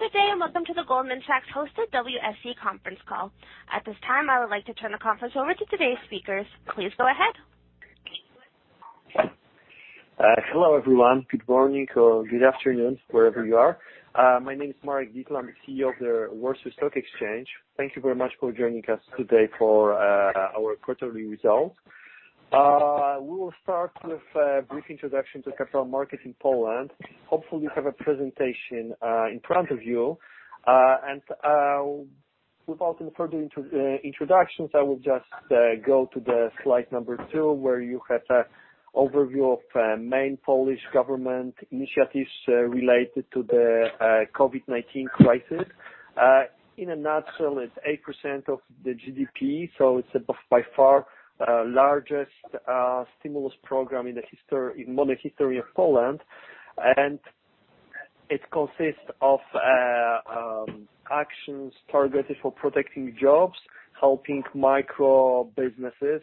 Good day, and welcome to the Goldman Sachs hosted WSE conference call. At this time, I would like to turn the conference over to today's speakers. Please go ahead. Hello, everyone. Good morning or good afternoon, wherever you are. My name is Marek Dietl. I'm the CEO of the Warsaw Stock Exchange. Thank you very much for joining us today for our quarterly results. We will start with a brief introduction to capital markets in Poland. Hopefully, you have a presentation in front of you. And without any further introductions, I will just go to the slide number 2, where you have an overview of main Polish government initiatives related to the COVID-19 crisis. In a nutshell, it's 8% of the GDP, so it's by far the largest stimulus program in modern history of Poland. It consists of actions targeted for protecting jobs, helping micro-businesses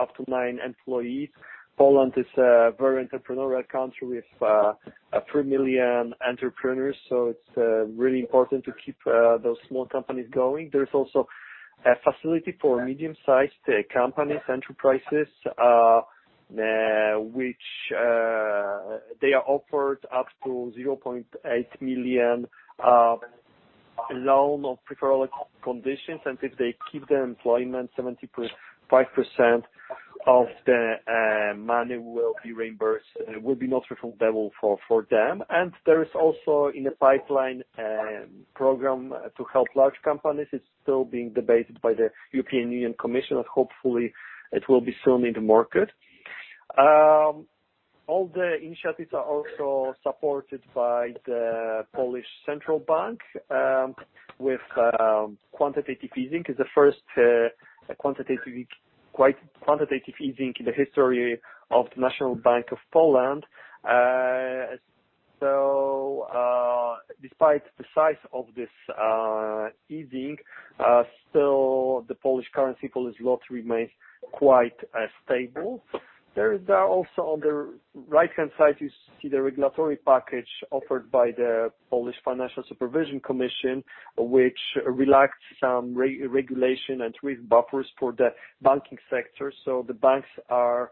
up to nine employees. Poland is a very entrepreneurial country with three million entrepreneurs, so it's really important to keep those small companies going. There is also a facility for medium-sized companies, enterprises which they are offered up to 0.8 million loan of preferential conditions, and if they keep the employment, 75% of the money will be reimbursed will be not refundable for them. And there is also in the pipeline program to help large companies. It's still being debated by the European Commission, and hopefully it will be soon in the market. All the initiatives are also supported by the Polish Central Bank with quantitative easing. It's the first quantitative easing in the history of the National Bank of Poland. Despite the size of this easing, still the Polish currency, Polish zloty remains quite stable. There is also on the right-hand side, you see the regulatory package offered by the Polish Financial Supervision Commission, which relaxed some regulations and risk buffers for the banking sector. The banks are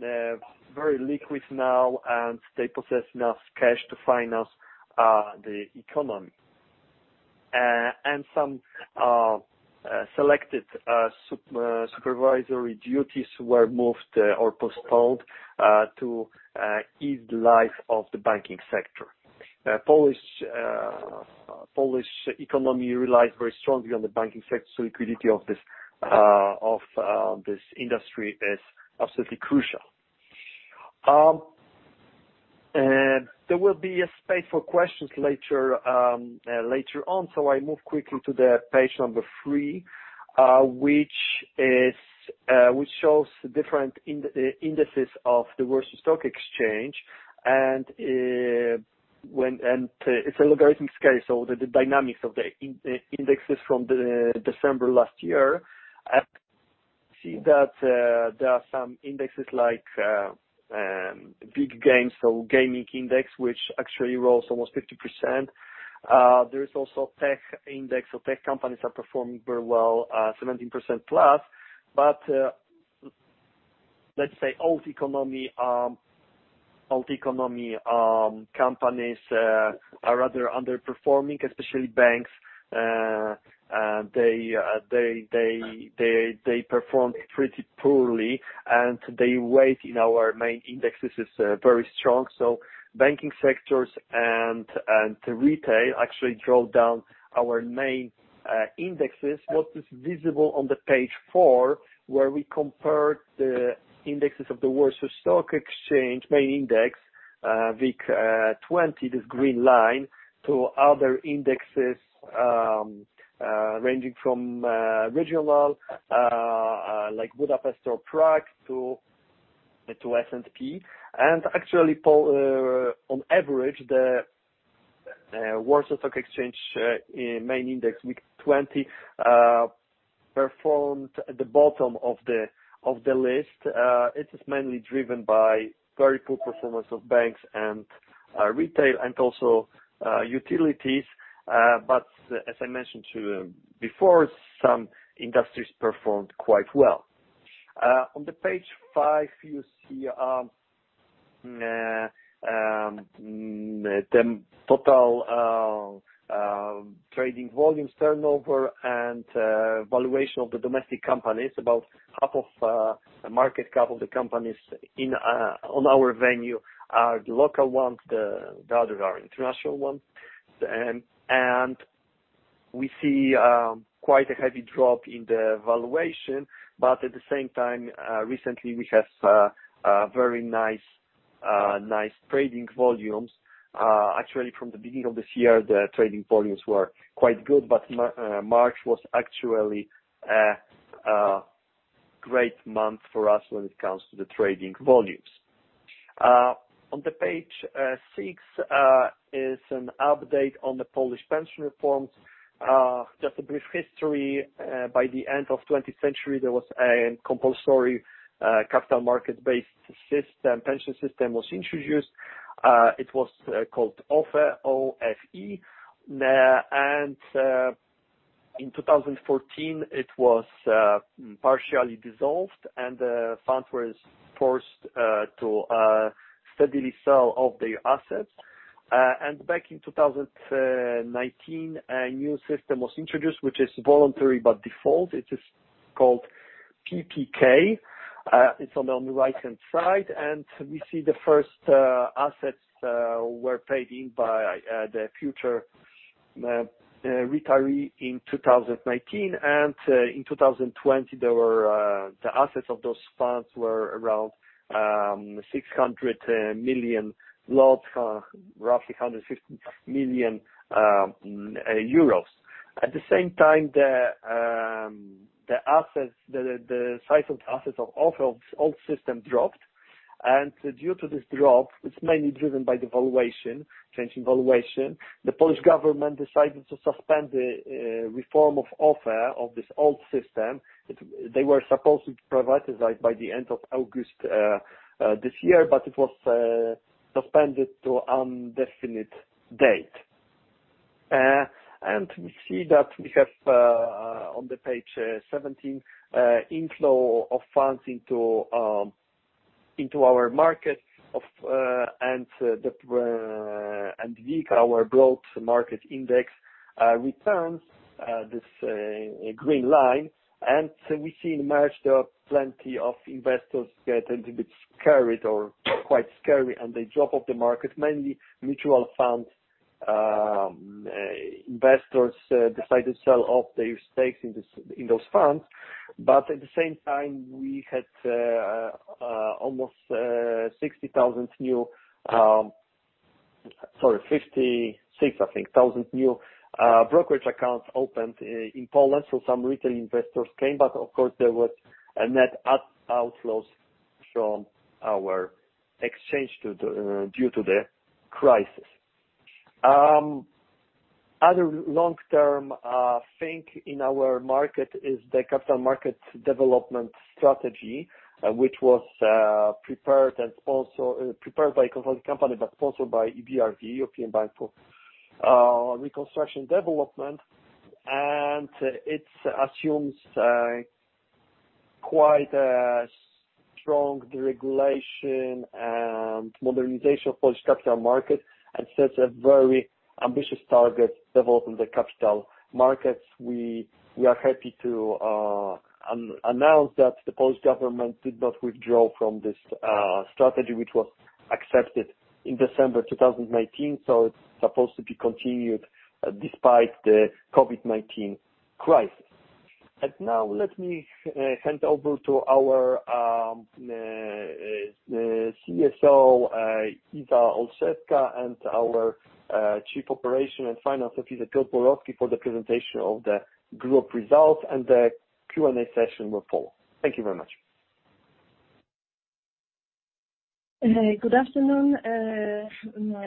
very liquid now, and they possess enough cash to finance the economy. Some selected supervisory duties were moved or postponed to ease the life of the banking sector. Polish economy relies very strongly on the banking sector, so liquidity of this industry is absolutely crucial. There will be a space for questions later on. I move quickly to page number three, which shows the different indices of the Warsaw Stock Exchange. It's a logarithmic scale, so the dynamics of the indexes from the December last year. I see that there are some indexes like big gains, so Gaming Index, which actually rose almost 50%. There is also Tech Index, so tech companies are performing very well, 17% plus. But let's say old economy companies are rather underperforming, especially banks. They performed pretty poorly, and their weight in our main indexes is very strong. So banking sectors and retail actually drove down our main indexes. What is visible on page four, where we compare the indexes of the Warsaw Stock Exchange main index, WIG20, this green line, to other indexes, ranging from regional, like Budapest or Prague to S&P. Actually, on average, the Warsaw Stock Exchange main index WIG20 performed at the bottom of the list. It is mainly driven by very poor performance of banks and retail and also utilities. But as I mentioned to you before, some industries performed quite well. On page five, you see the total trading volumes, turnover, and valuation of the domestic companies. About half of the market, half of the companies in on our venue are the local ones, the others are international ones. And we see quite a heavy drop in the valuation, but at the same time, recently we have a very nice nice trading volumes. Actually, from the beginning of this year, the trading volumes were quite good, but March was actually a great month for us when it comes to the trading volumes. On page six is an update on the Polish pension reforms. Just a brief history. By the end of twentieth century, there was a compulsory capital market-based system, pension system was introduced. It was called OFE, O-F-E. And... In 2014, it was partially dissolved and the funds were forced to steadily sell off their assets. Back in 2019, a new system was introduced, which is voluntary, but default. It is called PPK. It's on the right-hand side, and we see the first assets were paid in by the future retiree in 2019. In 2020, the assets of those funds were around 600 million PLN, roughly 150 million euros. At the same time, the assets, the size of assets of old system dropped. Due to this drop, it's mainly driven by the valuation change in valuation. The Polish government decided to suspend the reform of OFE of this old system. They were supposed to provide it, like, by the end of August this year, but it was suspended to an indefinite date. We see that we have on page 17 inflow of funds into our market, and that, and WIG, our growth market index returns, this green line. We see in March there are plenty of investors getting a bit scared or quite scary, and they drop off the market. Mainly mutual funds investors decide to sell off their stakes in this, in those funds. At the same time, we had almost 60,000 new... Sorry, fifty-six, I think, thousand new brokerage accounts opened in Poland. Some retail investors came back. Of course, there was a net outflows from our exchange due to the crisis. Other long-term thing in our market is the capital market development strategy, which was prepared by consulting company, but sponsored by EBRD, European Bank for Reconstruction and Development. It assumes quite a strong deregulation and modernization of Polish capital market, and sets a very ambitious target developing the capital markets. We are happy to announce that the Polish government did not withdraw from this strategy, which was accepted in December 2019. It's supposed to be continued despite the COVID-19 crisis. And now let me hand over to our CSO, Izabela Olszewska, and our Chief Operating and Financial Officer, Piotr Borowski, for the presentation of the group results, and the Q&A session will follow. Thank you very much. Good afternoon.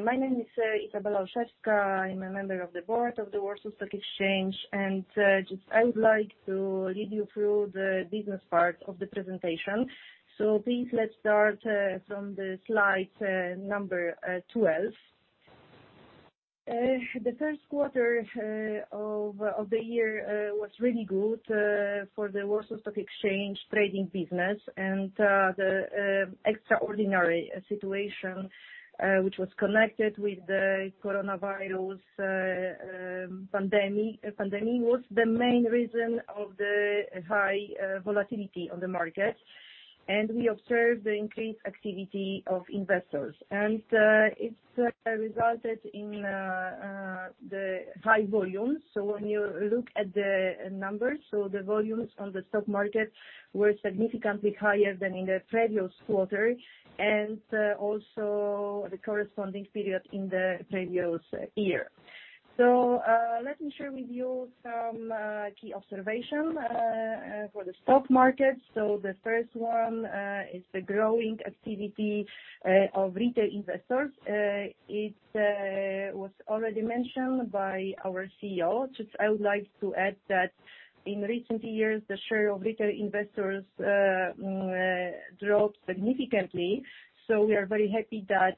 My name is Izabela Olszewska. I'm a member of the board of the Warsaw Stock Exchange, and just I would like to lead you through the business part of the presentation. Please, let's start from the slide number 12. The first quarter of the year was really good for the Warsaw Stock Exchange trading business. The extraordinary situation which was connected with the coronavirus pandemic was the main reason of the high volatility on the market. We observed the increased activity of investors, and it resulted in the high volumes. When you look at the numbers, the volumes on the stock market were significantly higher than in the previous quarter, and also the corresponding period in the previous year. Let me share with you some key observations for the stock market. The first one is the growing activity of retail investors. It was already mentioned by our CEO. Just, I would like to add that in recent years, the share of retail investors dropped significantly. We are very happy that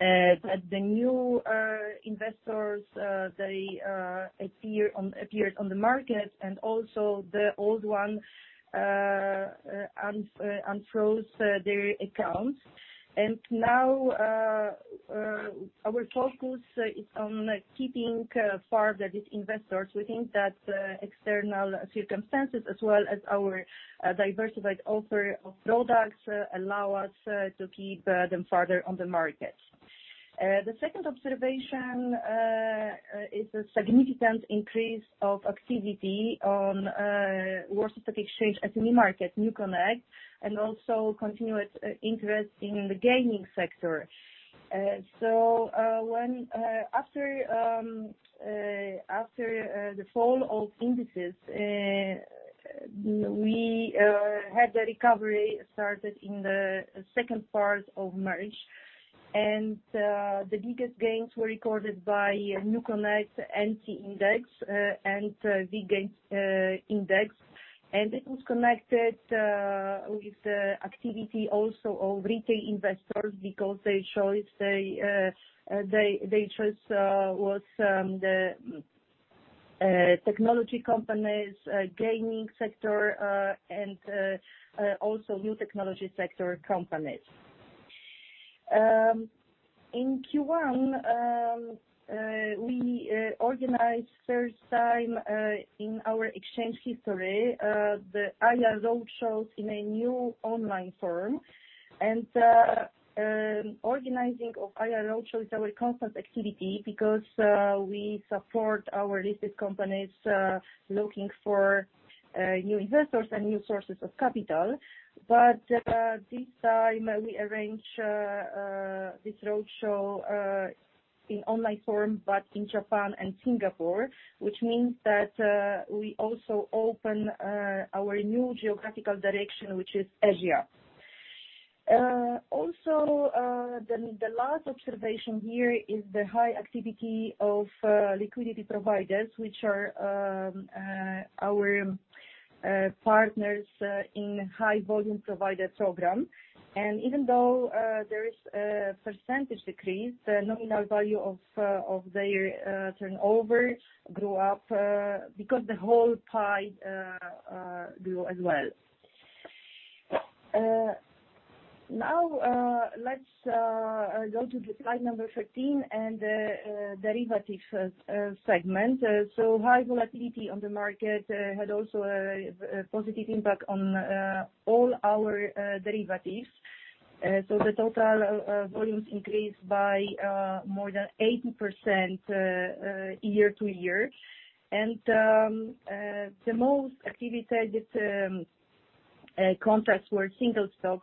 the new investors they appeared on the market, and also the old one unfroze their accounts. Now our focus is on keeping further these investors. We think that external circumstances, as well as our diversified offer of products, allow us to keep them further on the market. The second observation is a significant increase of activity on Warsaw Stock Exchange, as in the market, NewConnect, and also continuous interest in the gaming sector. So, when after the fall of indices, we had the recovery started in the second part of March. And the biggest gains were recorded by NewConnect NC Index and WIG Index and it was connected with the activity also of retail investors, because their choice was the technology companies, gaming sector and also new technology sector companies. In Q1, we organized first time in our exchange history the IR roadshows in a new online form, and organizing of IR roadshow is our constant activity because we support our listed companies looking for new investors and new sources of capital. But this time we arrange this roadshow in online form, but in Japan and Singapore, which means that we also open our new geographical direction, which is Asia. Also, the last observation here is the high activity of liquidity providers, which are our partners in High Volume Provider Programme. And even though there is a percentage decrease, the nominal value of their turnover grew up because the whole pie grew as well. Now, let's go to the slide number 13 and derivatives segment. So high volatility on the market had also a positive impact on all our derivatives. So the total volumes increased by more than 80% year to year. And the most activated contracts were single stock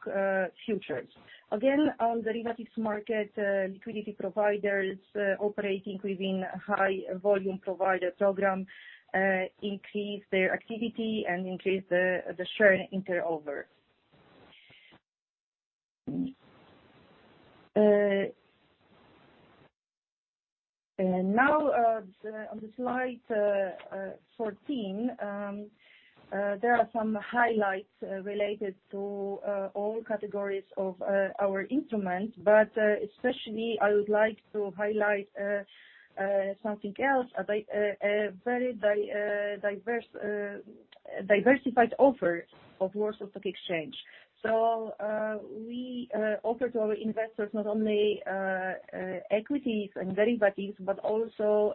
futures. Again, on derivatives market, liquidity providers operating within High Volume Provider Program increased their activity and increased the shared turnover. And now, on the Slide 14, there are some highlights related to all categories of our instruments. But especially I would like to highlight something else, a very diverse, diversified offer of Warsaw Stock Exchange. We offer to our investors not only equities and derivatives, but also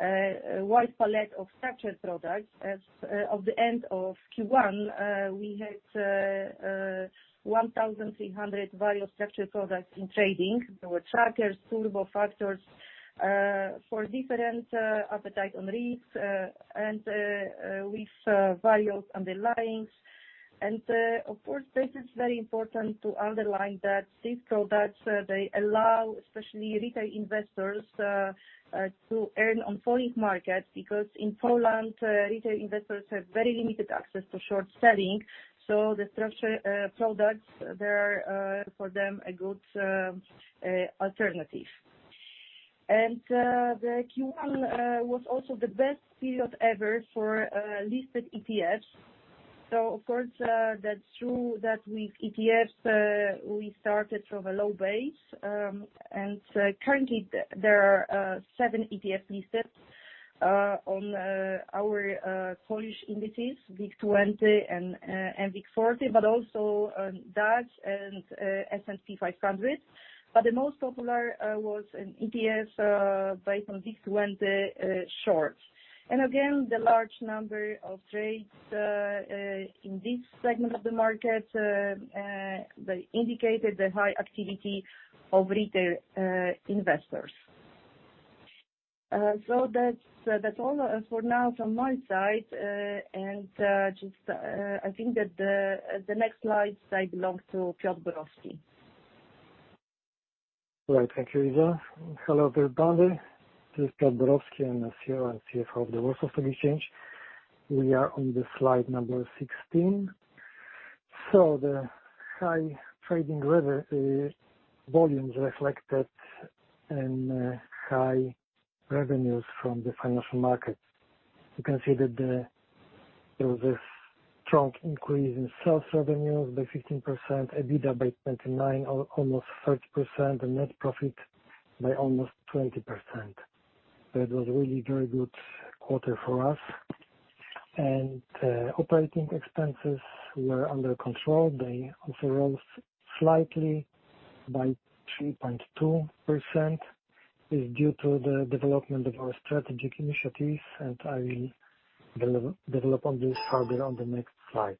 wide palette of structured products. As of the end of Q1, we had one thousand three hundred various structured products in trading. There were Trackers, Turbo, Factors, for different appetite on risks and with various underlyings. And of course, this is very important to underline that these products they allow especially retail investors to earn on falling markets, because in Poland, retail investors have very limited access to short selling. So the structured products, they're for them, a good alternative. And the Q1 was also the best period ever for listed ETFs. So of course, that's true that with ETFs, we started from a low base. And currently there are seven ETF listed on our Polish indices, WIG20 and WIG40, but also DAX and S&P 500. But the most popular was an ETFs based on WIG20 Short. And again, the large number of trades in this segment of the market they indicated the high activity of retail investors. So that's all for now from my side. And just I think that the next slides they belong to Piotr Borowski. Right. Thank you, Iza. Hello, everybody. This is Piotr Borowski. I'm COO and CFO of the Warsaw Stock Exchange. We are on the slide number 16. So the high trading revenue volumes reflected in high revenues from the financial markets. You can see that there was a strong increase in sales revenues by 15%, EBITDA by 29, almost 30%, and net profit by almost 20%. That was really very good quarter for us. And operating expenses were under control. They also rose slightly by 3.2%, is due to the development of our strategic initiatives, and I will develop on this further on the next slide.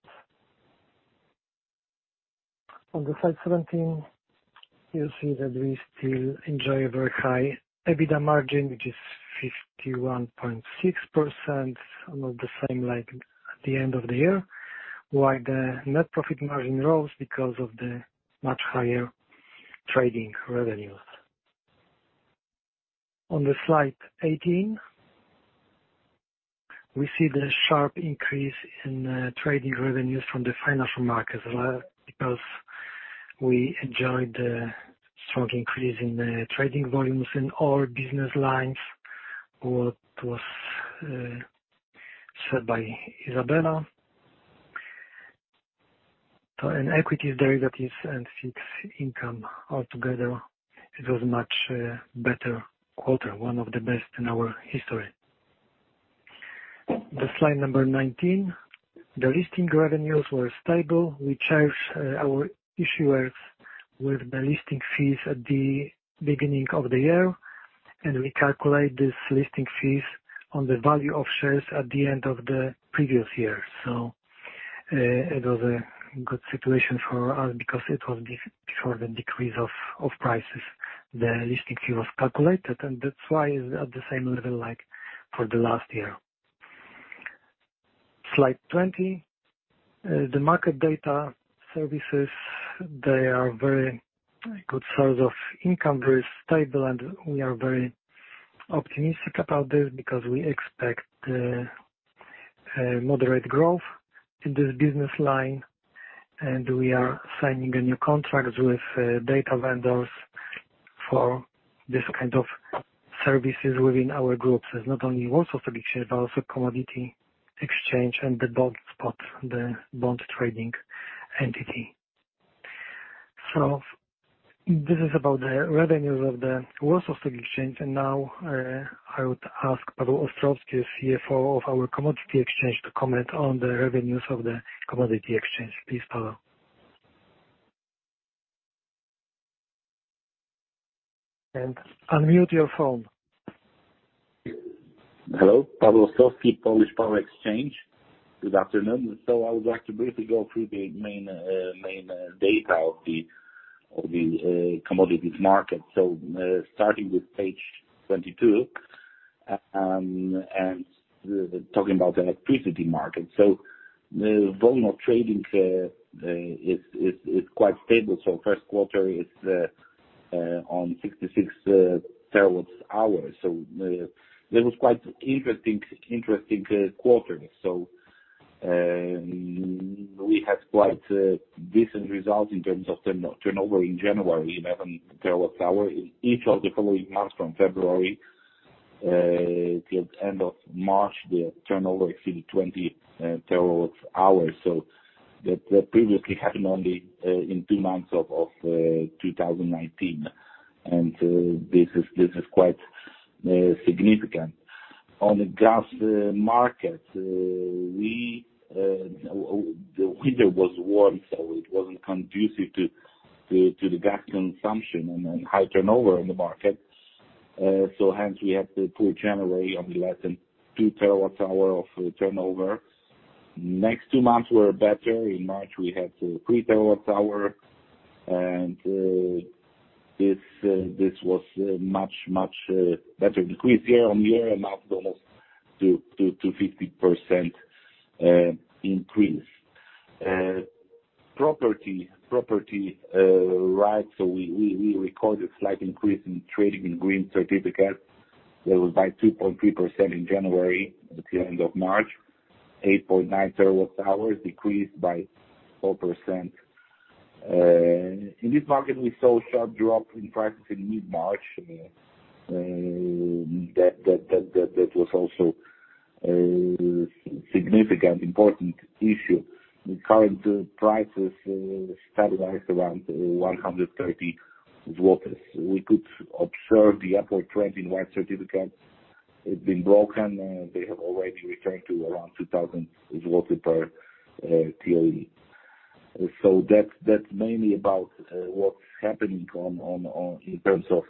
On the Slide 17, you see that we still enjoy a very high EBITDA margin, which is 51.6%. Almost the same like at the end of the year. While the net profit margin rose because of the much higher trading revenues. On the Slide 18, we see the sharp increase in trading revenues from the financial markets, because we enjoyed the strong increase in the trading volumes in all business lines, what was said by Izabela. So in equities, derivatives and fixed income altogether, it was much better quarter, one of the best in our history. The slide number nineteen, the listing revenues were stable. We charged our issuers with the listing fees at the beginning of the year, and we calculate these listing fees on the value of shares at the end of the previous year. So, it was a good situation for us because it was before the decrease of prices. The listing fee was calculated, and that's why is at the same level, like for the last year. Slide 20, the market data services, they are very good source of income, very stable, and we are very optimistic about this because we expect moderate growth in this business line, and we are signing a new contract with data vendors for this kind of services within our groups. It's not only Warsaw Stock Exchange, but also Commodity Exchange and the BondSpot, the bond trading entity. So this is about the revenues of the Warsaw Stock Exchange, and now I would ask Paweł Ostrowski, CFO of our Commodity Exchange, to comment on the revenues of the Commodity Exchange. Please, Paweł. And unmute your phone. Hello, Paweł Ostrowski, Polish Power Exchange. Good afternoon. So I would like to briefly go through the main data of the commodities market. So, starting with page 22, and talking about the electricity market. So the volume of trading is quite stable. So first quarter is 66 terawatt-hours. So, that was quite interesting quarter. So, we had quite decent results in terms of turnover in January, 11 terawatt-hours. Each of the following months from February to the end of March, the turnover exceeded 20 terawatt-hours. So that previously happened only in two months of 2019, and this is quite significant. On the gas market, we... The winter was warm, so it wasn't conducive to the gas consumption and then high turnover in the market. Hence we had the poor January of less than two terawatt-hours of turnover. Next two months were better. In March, we had three terawatt-hours, and this was a much better decrease year-on-year, amount almost to 50% increase. Property rights, so we recorded slight increase in trading in green certificates. That was by 2.3% in January to the end of March, 8.9 terawatt-hours, decreased by 4%. In this market, we saw sharp drop in prices in mid-March. That was also significant important issue. The current prices stabilized around 130 złoty. We could observe the upward trend in white certificates. It's been broken, they have already returned to around 2,000 per TWh. So that's mainly about what's happening in terms of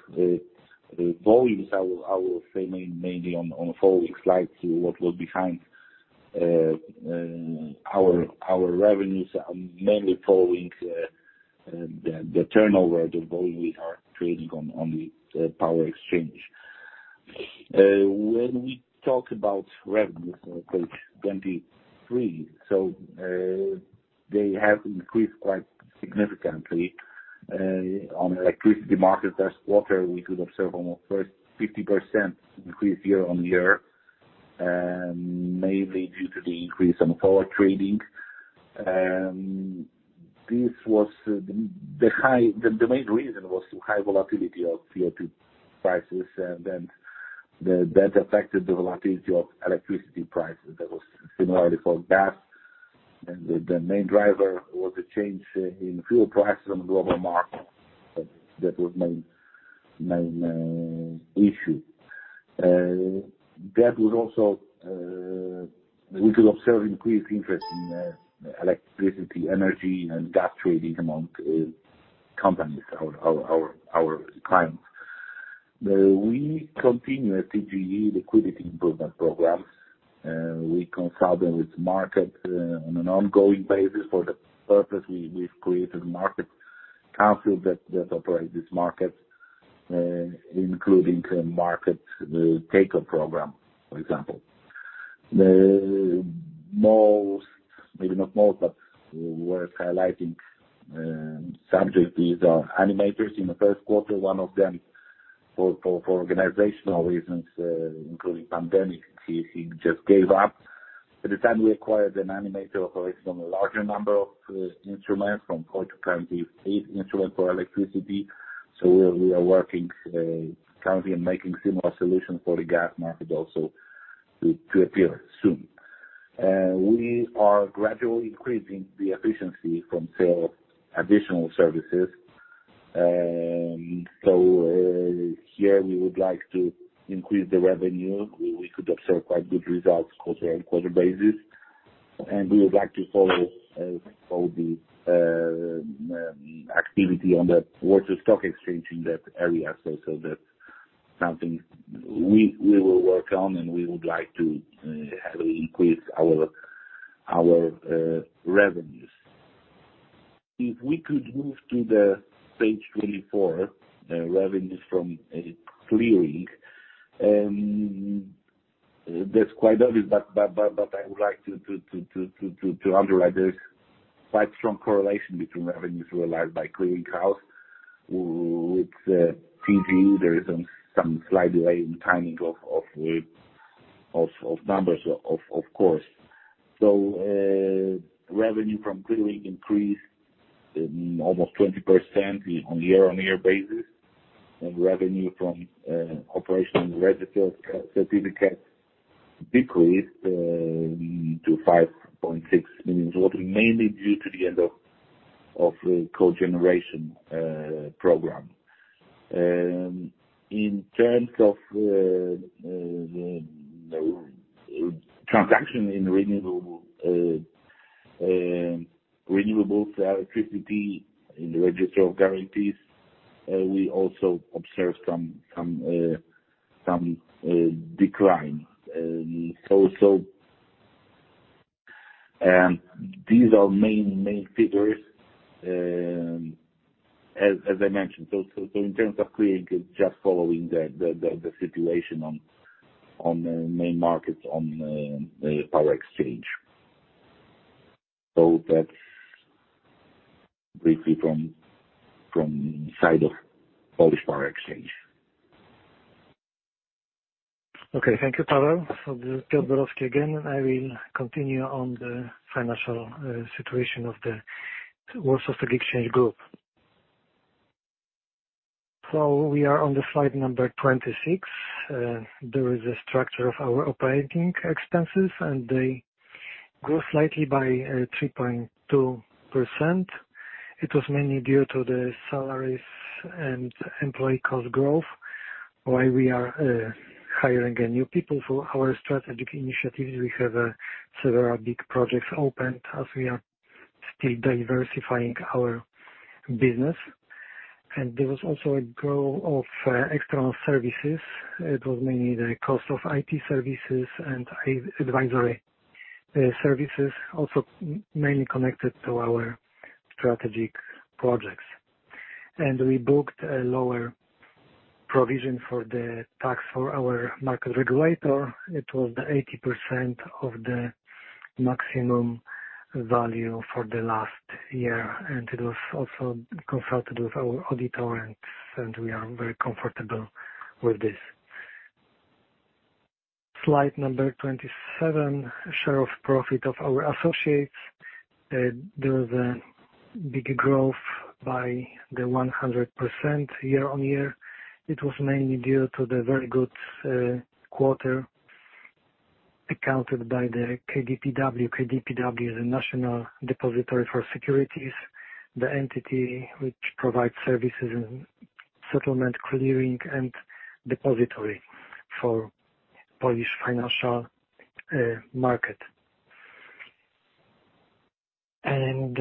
volumes. I will say maybe on following slides, what was behind our revenues are mainly following the turnover, the volume we are trading on the power exchange. When we talk about revenues on page 23, so they have increased quite significantly on electricity market. That quarter, we could observe almost 50% increase year-on-year, mainly due to the increase on power trading. This was the high, the main reason was high volatility of CO2 prices, and then that affected the volatility of electricity prices. That was similarly for gas, and the main driver was the change in fuel prices on the global market. That was the main issue. That was also. We could observe increased interest in electricity, energy and gas trading among companies, our clients. We continue TGE liquidity improvement program. We consult with the market on an ongoing basis. For that purpose, we've created Market Council that operates this market, including a market maker program, for example. Most, maybe not most, but worth highlighting subject is animators. In the first quarter, one of them gave up for organizational reasons, including pandemic. At the time, we acquired an animator for a larger number of instruments from four to 28 instruments for electricity. So we are working currently and making similar solutions for the gas market also to appear soon. We are gradually increasing the efficiency from sale of additional services. So here we would like to increase the revenue. We could observe quite good results quarter-on-quarter basis, and we would like to follow all the activity on the Warsaw Stock Exchange in that area. So that's something we will work on, and we would like to increase our revenues. If we could move to the page twenty-four, the revenues from clearing. That's quite obvious, but I would like to underline this quite strong correlation between revenues realized by clearing house. With TV there is some slight delay in the timing of numbers, of course. So revenue from clearing increased almost 20% on year-on-year basis, and revenue from operational register certificates decreased to 5.6 million PLN, mainly due to the end of the cogeneration program. In terms of the transaction in renewables electricity in the register of guarantees, we also observed some decline. So these are main figures, as I mentioned. So in terms of clearing, it's just following the situation on the main markets, on the power exchange. So that's briefly from side of Polish Power Exchange. Okay. Thank you, Pawel. So this is Piotr Borowski again, and I will continue on the financial situation of the Warsaw Stock Exchange Group. So we are on the slide number 26. There is a structure of our operating expenses, and they grew slightly by 3.2%. It was mainly due to the salaries and employee cost growth while we are hiring new people for our strategic initiatives. We have several big projects opened as we are still diversifying our business. And there was also a growth of external services. It was mainly the cost of IT services and advisory services also mainly connected to our strategic projects. And we booked a lower provision for the tax for our market regulator. It was 80% of the maximum value for the last year, and it was also consulted with our auditor, and we are very comfortable with this. Slide number 27, share of profit of our associates. There was a big growth by 100% year-on-year. It was mainly due to the very good quarter accounted by the KDPW. KDPW is a national depository for securities, the entity which provides services in settlement, clearing, and depository for Polish financial market. And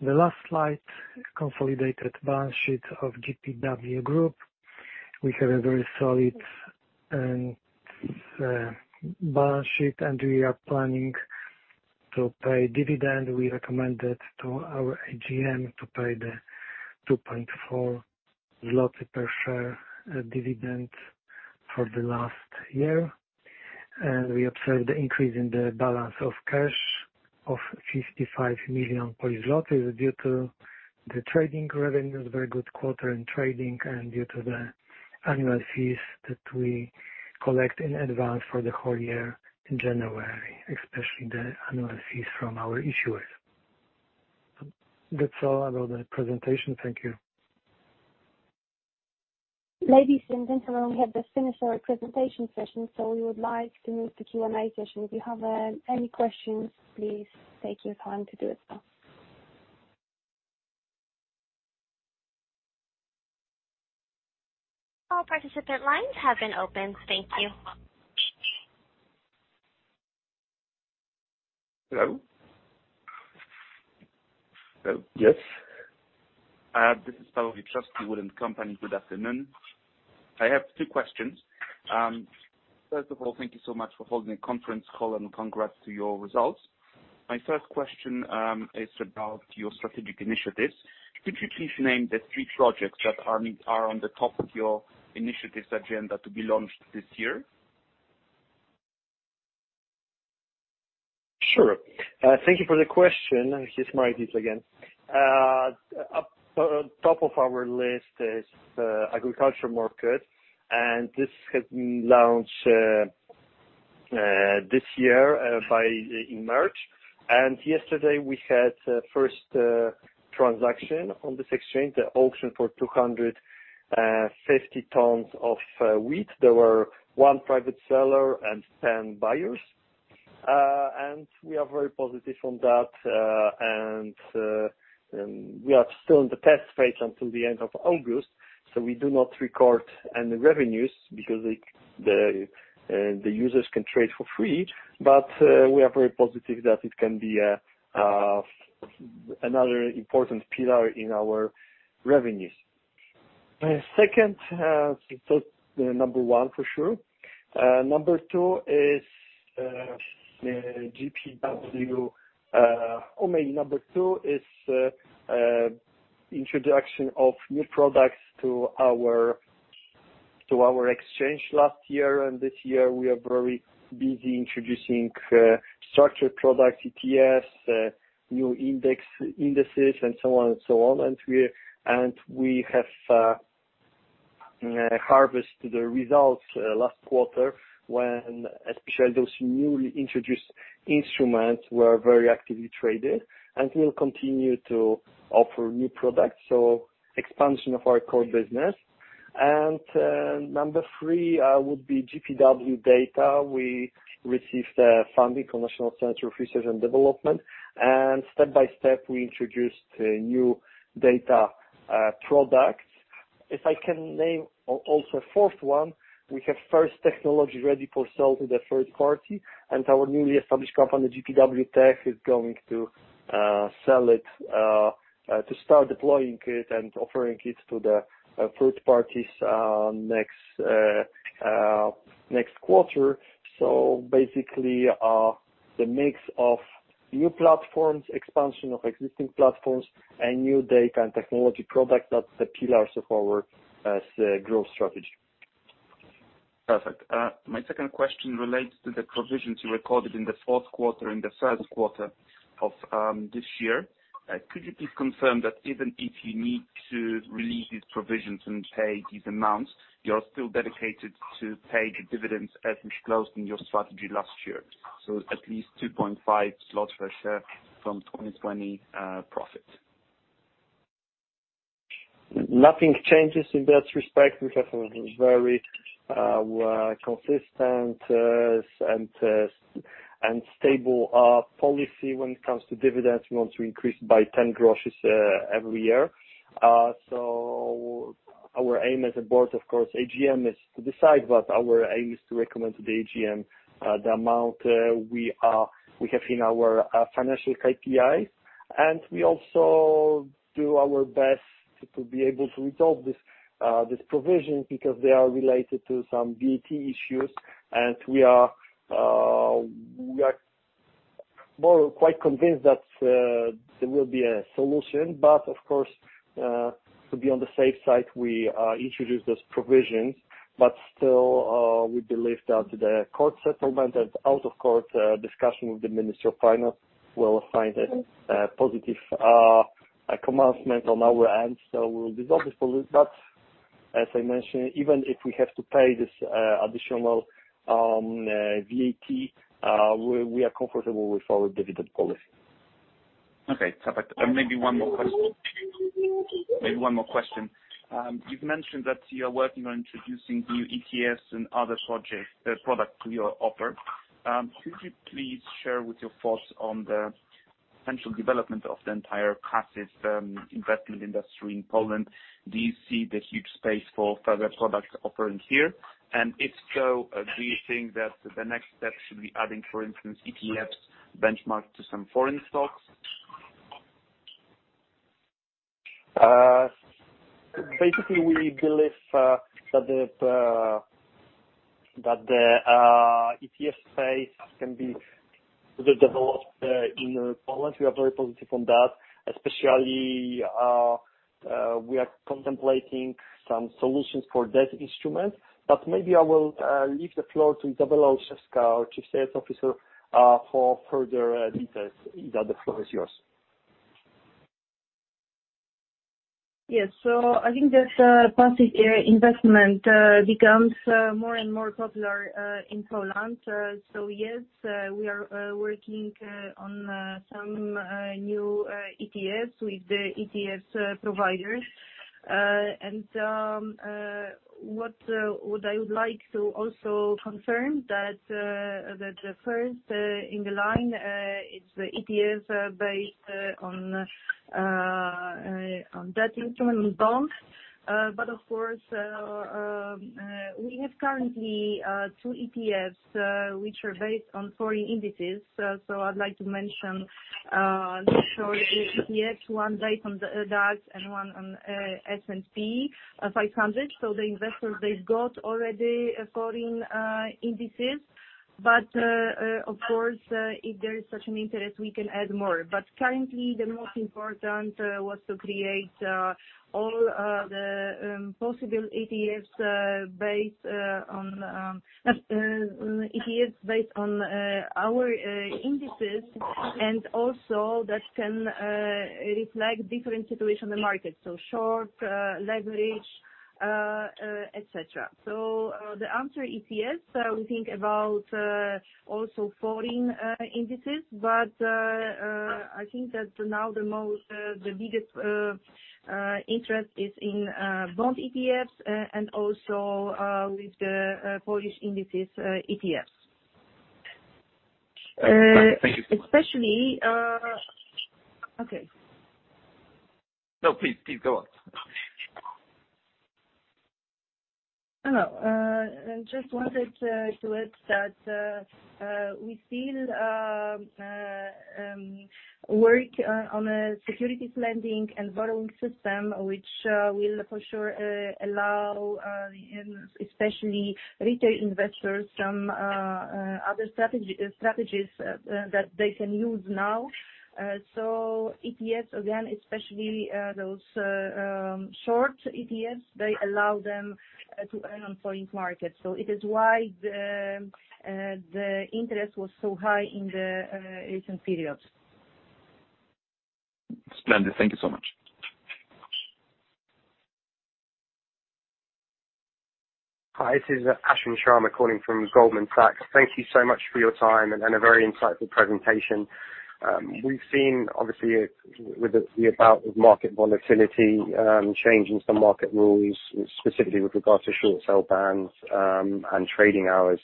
the last slide, consolidated balance sheet of GPW Group. We have a very solid and balance sheet, and we are planning to pay dividend. We recommend it to our AGM to pay 2.4 zloty per share dividend for the last year. We observed the increase in the balance of cash of 55 million due to the trading revenues, very good quarter in trading and due to the annual fees that we collect in advance for the whole year in January, especially the annual fees from our issuers. That's all about the presentation. Thank you. Ladies and gentlemen, we have just finished our presentation session, so we would like to move to Q&A session. If you have any questions, please take your time to do it now. All participant lines have been opened. Thank you. Hello? Hello. Yes. This is Pawel Wieprzowski, Wood & Company. Good afternoon. I have two questions. First of all, thank you so much for holding a conference call, and congrats to your results. My first question is about your strategic initiatives. Could you please name the three projects that are on the top of your initiatives agenda to be launched this year? Sure. Thank you for the question. It's my idea again. Top of our list is agriculture market, and this has been launched this year in March. And yesterday, we had first transaction on this exchange, the auction for 250 tons of wheat. There were one private seller and 10 buyers. And we are very positive on that, and we are still in the test phase until the end of August, so we do not record any revenues because the users can trade for free. But we are very positive that it can be another important pillar in our revenues. Second, so number one for sure. Number two is GPW, or maybe number two is introduction of new products to our exchange last year and this year. We are very busy introducing structured products, ETFs, new indices, and so on. And we have harvested the results last quarter, when especially those newly introduced instruments were very actively traded. And we'll continue to offer new products, so expansion of our core business. And number three would be GPW Data. We received the funding from National Centre for Research and Development, and step by step, we introduced a new data product. If I can name also a fourth one, we have first technology ready for sale to the third party, and our newly established company, GPW Tech, is going to sell it to start deploying it and offering it to the third parties next quarter. So basically, the mix of new platforms, expansion of existing platforms, and new data and technology products are the pillars of our growth strategy. Perfect. My second question relates to the provisions you recorded in the fourth quarter and the first quarter of this year. Could you please confirm that even if you need to release these provisions and pay these amounts, you're still dedicated to pay the dividends as disclosed in your strategy last year? So at least 2.5 zlotys per share from 2020 profit. Nothing changes in that respect. We have a very, consistent, and stable, policy when it comes to dividends. We want to increase by ten groszy, every year. So our aim as a board, of course, AGM is to decide, but our aim is to recommend to the AGM, the amount, we have in our, financial KPI. And we also do our best to be able to resolve this, this provision because they are related to some VAT issues, and we are, we are more quite convinced that, there will be a solution. But of course, to be on the safe side, we, introduced those provisions. But still, we believe that the court settlement and out of court discussion with the Ministry of Finance will find a positive commencement on our end. So we'll resolve this, but as I mentioned, even if we have to pay this additional VAT, we are comfortable with our dividend policy. Okay, perfect. And maybe one more question. You've mentioned that you are working on introducing new ETFs and other projects, products to your offer. Could you please share with your thoughts on the potential development of the entire classes, investment industry in Poland? Do you see the huge space for further products offering here? And if so, do you think that the next step should be adding, for instance, ETFs benchmarked to some foreign stocks? Basically, we believe that the ETF space can be further developed in Poland. We are very positive on that. Especially, we are contemplating some solutions for that instrument. But maybe I will leave the floor to Izabela Olszewska, our Chief Sales Officer, for further details. Iza, the floor is yours. Yes. So I think that passive investment becomes more and more popular in Poland, so yes, we are working on some new ETFs with the ETF providers. And what I would like to also confirm is that the first in line is the ETFs based on that instrument, on bonds. But of course, we have currently two ETFs which are based on foreign indices, so I'd like to mention ETFs, one based on the DAX and one on S&P 500. The investors they've got already access to indices, but of course, if there is such an interest, we can add more. But currently, the most important was to create all the possible ETFs based on our indices, and also that can reflect different situations in the market, so short leverage, et cetera. So, the answer is yes, we think about also foreign indices. But I think that now the biggest interest is in bond ETFs and also with the Polish indices ETFs. Thank you. Especially. Okay. No, please, please go on. Hello, I just wanted to add that we still work on a securities lending and borrowing system, which will for sure allow in especially retail investors from other strategies that they can use now. So ETFs again, especially those short ETFs, they allow them to earn on foreign markets. So it is why the interest was so high in the recent periods. Splendid. Thank you so much. Hi, this is Ashwin Sharma calling from Goldman Sachs. Thank you so much for your time and a very insightful presentation. We've seen obviously, with the amount of market volatility, changing some market rules, specifically with regard to short selling bans, and trading hours.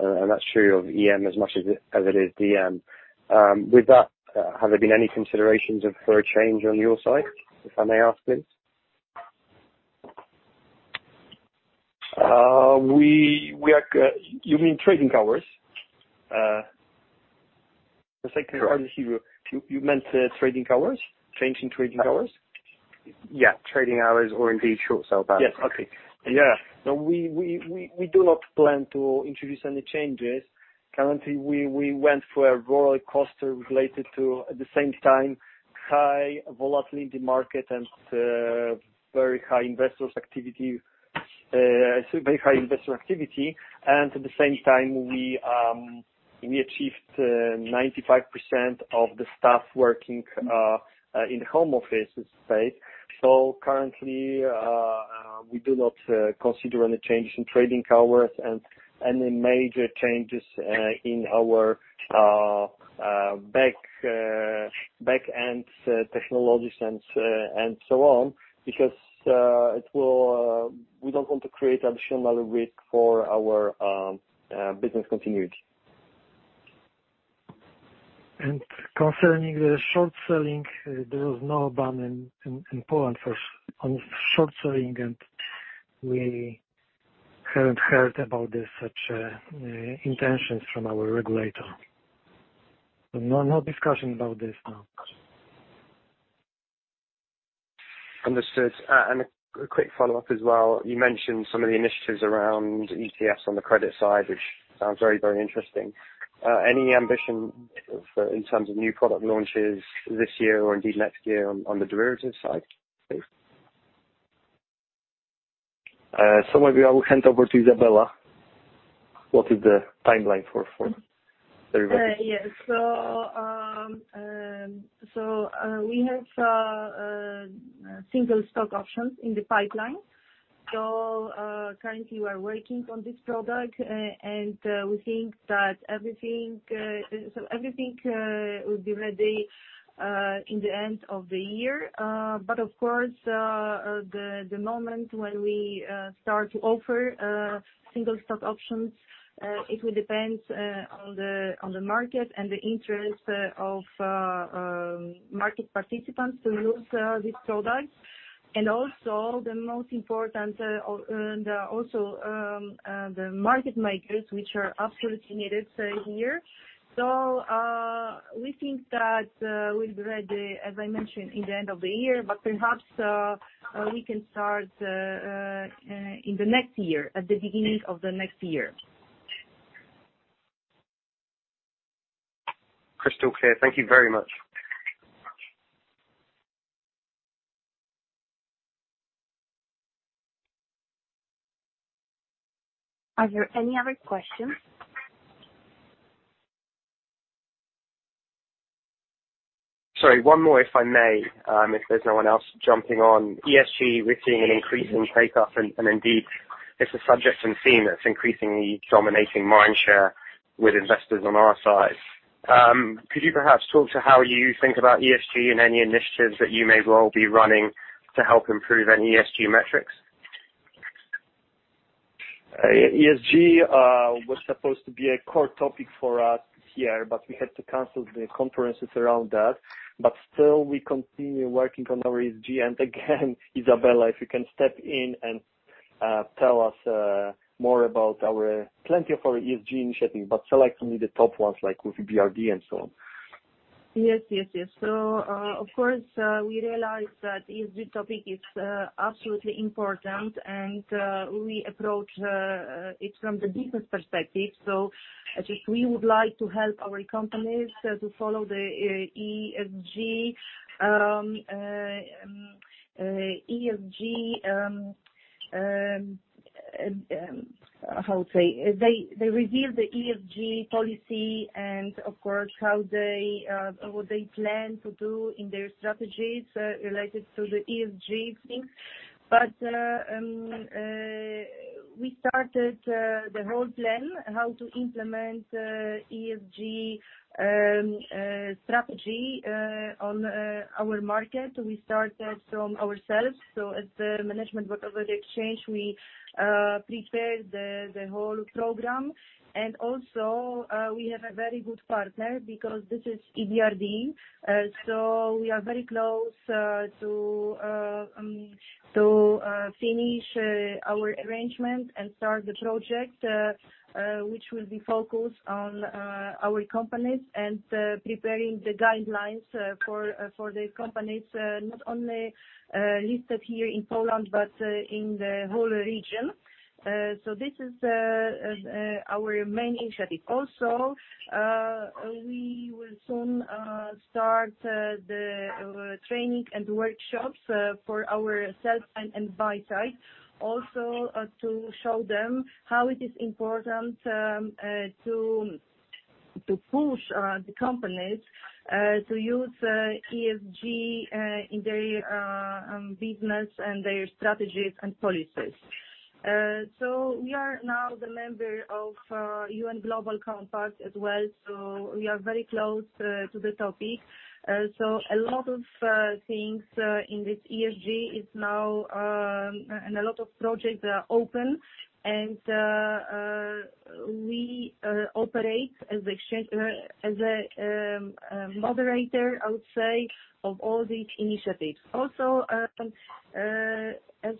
And that's true of EM as much as it is DM. With that, have there been any considerations for a change on your side, if I may ask, please? We are... You mean trading hours? Just like trading hours. You meant trading hours? Changing trading hours? Yeah, trading hours or indeed, short sell bans. Yes. Okay. Yeah. No, we do not plan to introduce any changes. Currently, we went through a roller coaster related to, at the same time, high volatility market and very high investors activity, so very high investor activity. And at the same time we achieved 95% of the staff working in home office space. So currently, we do not consider any changes in trading hours and any major changes in our back end technologies and so on. Because it will... We don't want to create additional risk for our business continuity. And concerning the short selling, there was no ban in Poland on short selling, and we haven't heard about this such intentions from our regulator. No discussion about this now. Understood, and a quick follow-up as well. You mentioned some of the initiatives around ETFs on the credit side, which sounds very, very interesting. Any ambition for, in terms of new product launches this year or indeed next year on the derivatives side, please? So maybe I will hand over to Izabela. What is the timeline for derivatives? Yes. So, we have single stock options in the pipeline. So, currently we're working on this product, and we think that everything will be ready in the end of the year. But of course, the moment when we start to offer single stock options, it will depend on the market and the interest of market participants to use this product. And also, the most important, the market makers, which are absolutely needed here. So, we think that we'll be ready, as I mentioned, in the end of the year, but perhaps we can start in the next year, at the beginning of the next year. Crystal clear. Thank you very much. Are there any other questions? Sorry, one more if I may, if there's no one else jumping on. ESG, we're seeing an increase in take-up, and, and indeed, it's a subject and theme that's increasingly dominating mind share with investors on our side. Could you perhaps talk to how you think about ESG and any initiatives that you may well be running to help improve any ESG metrics? ESG was supposed to be a core topic for us this year, but we had to cancel the conferences around that. But still, we continue working on our ESG. And again, Izabela, if you can step in and tell us more about our... Plenty of our ESG initiatives, but select only the top ones, like with EBRD and so on. Yes, yes, yes. So, of course, we realize that ESG topic is absolutely important, and we approach it from the business perspective. So I think we would like to help our companies to follow the ESG, how say, they, they revealed the ESG policy and of course, how they what they plan to do in their strategies related to the ESG things. But we started the whole plan, how to implement ESG strategy on our market. We started from ourselves, so as the management board of the exchange, we prepared the whole program. And also, we have a very good partner because this is EBRD, so we are very close to finish our arrangement and start the project, which will be focused on our companies and preparing the guidelines for the companies, not only listed here in Poland, but in the whole region. So this is our main initiative. Also, we will soon start the training and workshops for our sales and buy side to show them how it is important to push the companies to use ESG in their business and their strategies and policies. So we are now the member of UN Global Compact as well, so we are very close to the topic. So a lot of things in this ESG is now, and a lot of projects are open, and we operate as exchange, as a moderator, I would say, of all these initiatives. Also, as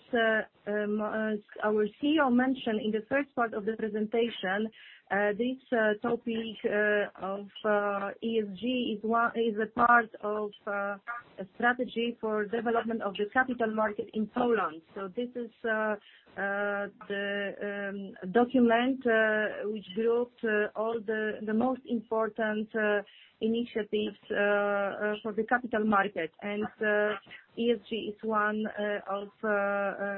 our CEO mentioned in the first part of the presentation, this topic of ESG is one-- is a part of a strategy for development of the capital market in Poland. So this is the document which grouped all the most important initiatives for the capital market. ESG is one of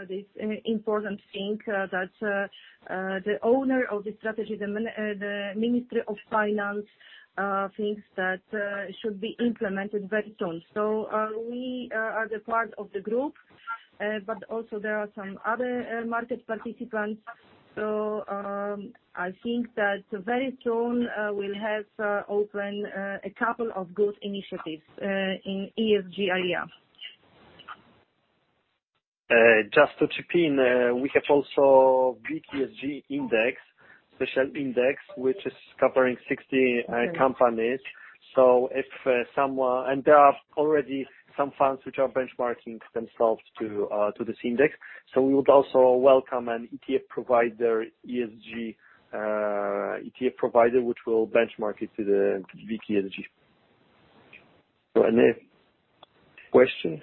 this important thing that the owner of the strategy, the Ministry of Finance, thinks that should be implemented very soon. We are the part of the group, but also there are some other market participants. I think that very soon we'll have open a couple of good initiatives in ESG area. Just to chip in, we have also WIG-ESG index, special index, which is covering 60 companies. So if someone... and there are already some funds which are benchmarking themselves to this index. So we would also welcome an ETF provider, ESG ETF provider, which will benchmark it to the WIG-ESG. So any question? Is there any?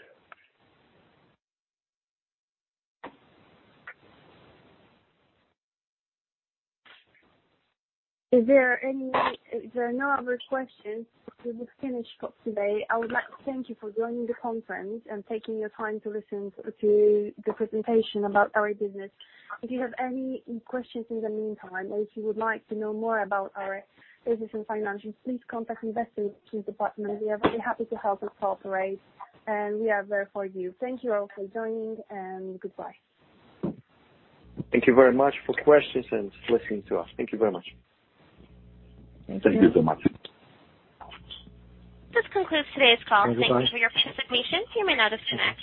If there are no other questions, we will finish for today. I would like to thank you for joining the conference and taking your time to listen to the presentation about our business. If you have any questions in the meantime, or if you would like to know more about our business and financials, please contact Investor Relations department. We are very happy to help and cooperate, and we are there for you. Thank you all for joining, and goodbye. Thank you very much for questions and listening to us. Thank you very much. Thank you so much. This concludes today's call. Thank you for your participation. You may now disconnect.